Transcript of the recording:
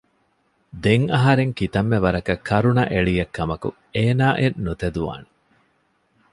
ދެން އަހަރެން ކިތަންމެ ވަރަކަށް ކަރުނަ އެޅިއެއް ކަމަކު އޭނާއެއް ނުތެދުވާނެ